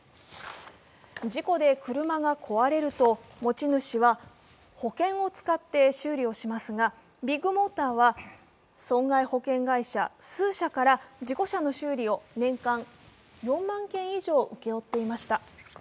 事故で車が壊れると持ち主は保険を使って修理をしますが、ビッグモーターは損害保険会社数社から事故車の修理を年間４万件以上、請け負っていました。